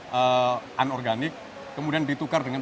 tidak organik kemudian ditukar dengan